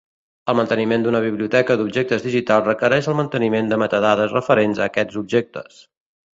El manteniment d'una biblioteca d'objectes digitals requereix el manteniment de metadades referents a aquests objectes.